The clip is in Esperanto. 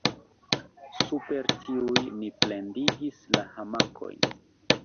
Super tiuj ni pendigis la hamakojn.